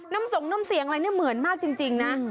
น้ำสงน้ำเสียงอะไรเนี่ยเหมือนมากจริงนะ